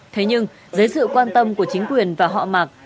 thế nhưng dưới sự quan tâm của chính quyền và họ mặc